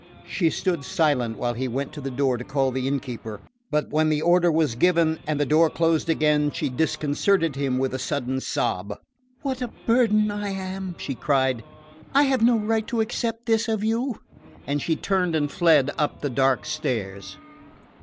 She stood silent while he went to the door to call the innkeeper; but when the order was given, and the door closed again, she disconcerted him by a sudden sob. "What a burden I am!" she cried. "I had no right to accept this of you." And she turned and fled up the dark stairs.